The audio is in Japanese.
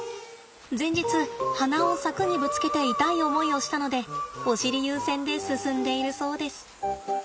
前日鼻を柵にぶつけて痛い思いをしたのでお尻優先で進んでいるそうです。